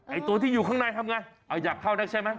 ไอ้ตัวที่อยู่ข้างนายทำอย่างย้าเข้าได้ใช่ไหม